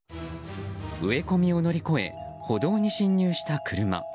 植え込みを乗り越え歩道に進入した車。